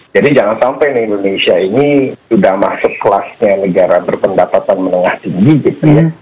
jadi jangan sampai indonesia ini sudah masuk kelasnya negara berpendapatan menengah tinggi gitu ya